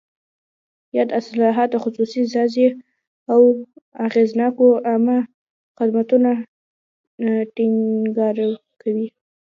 یاد اصلاحات د خصوصي سازۍ او اغېزناکو عامه خدمتونو ټینګار کوي.